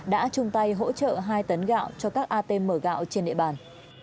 đã chung tay hỗ trợ hai tấn gạo cho các atm gạo trên địa bàn